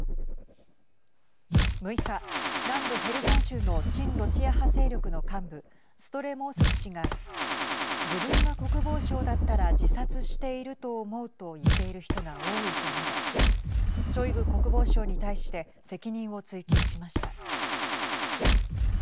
６日、南部ヘルソン州の親ロシア派勢力の幹部ストレモウソフ氏が自分が国防相だったら自殺していると思うと言っている人が多いと述べショイグ国防相に対して責任を追及しました。